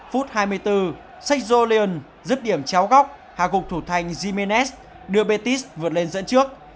phút hai mươi bốn seixolien giúp điểm chéo góc hạ gục thủ thành jiménez đưa métis vượt lên dẫn trước